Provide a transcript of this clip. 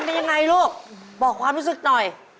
เป็นยังไงลูกบอกความรู้สึกหน่อย